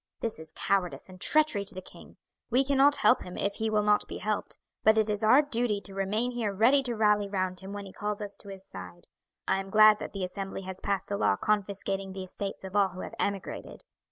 This is cowardice and treachery to the king. We cannot help him if he will not be helped, but it is our duty to remain here ready to rally round him when he calls us to his side. I am glad that the Assembly has passed a law confiscating the estates of all who have emigrated."